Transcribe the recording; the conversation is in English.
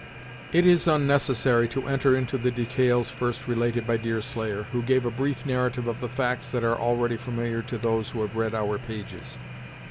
It is unnecessary to enter into the details first related by Deerslayer, who gave a brief narrative of the facts that are already familiar to those who have read our pages.